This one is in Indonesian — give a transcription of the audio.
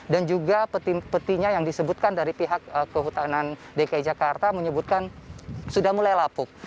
dan juga petinya yang disebutkan dari pihak kehutanan dki jakarta menyebutkan sudah mulai lapuk